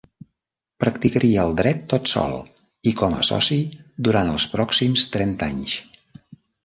Practicaria el dret tot sol i com a soci durant els pròxims trenta anys.